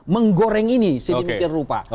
menggoreng ini sedemikian rupa